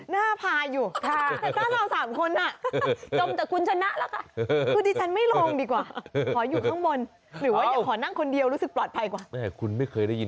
เนื้อเค้า๓คนน่าพายุ